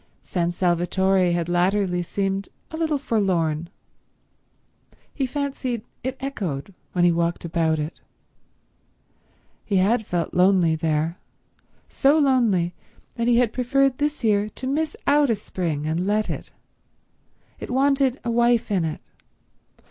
San Salvatore had latterly seemed a little forlorn. He fancied it echoed when he walked about it. He had felt lonely there; so lonely that he had preferred this year to miss out a spring and let it. It wanted a wife in it.